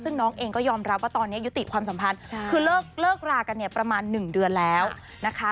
ซึ่งน้องเองก็ยอมรับว่าตอนนี้ยุติความสัมพันธ์คือเลิกรากันเนี่ยประมาณ๑เดือนแล้วนะคะ